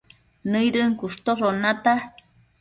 nëidën cushtoshon nata